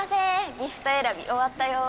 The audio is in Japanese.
ギフト選び終わったよ！